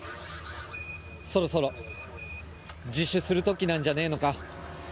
そろそろ自首する時なんじゃねえのか？